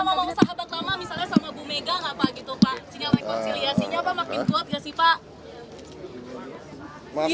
sinyal rekonsiliasinya pak makin kuat nggak sih pak